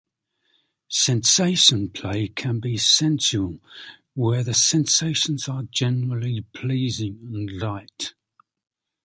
Sensation play can be "sensual", where the sensations are generally pleasing and light.